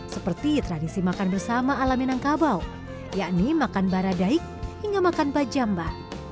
seperti tradisi makan bersama ala minangkabau yakni makan baradaik hingga makan bajamba